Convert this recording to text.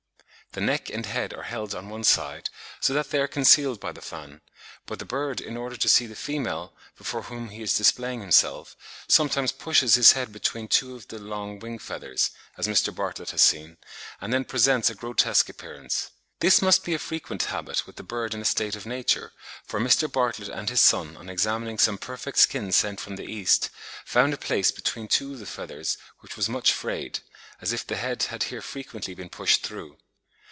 The neck and head are held on one side, so that they are concealed by the fan; but the bird in order to see the female, before whom he is displaying himself, sometimes pushes his head between two of the long wing feathers (as Mr. Bartlett has seen), and then presents a grotesque appearance. This must be a frequent habit with the bird in a state of nature, for Mr. Bartlett and his son on examining some perfect skins sent from the East, found a place between two of the feathers which was much frayed, as if the head had here frequently been pushed through.